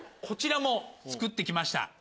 こちらも作って来ました。